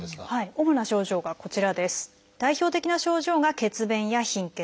主な症状がこちらです。